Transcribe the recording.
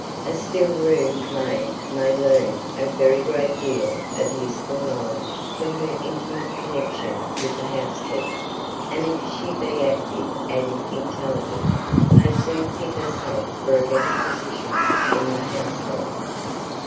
A still room maid may learn a very great deal of useful knowledge from her intimate connection with the housekeeper, and if she be active and intelligent, may soon fit herself for a better position in the household.